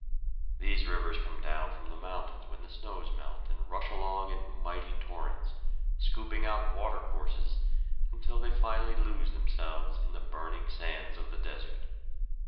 These rivers come down from the mountains when the snows melt and rush along in mighty torrents, scooping out water courses, until they finally lose themselves in the burning sands of the desert.